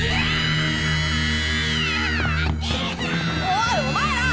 おいお前ら！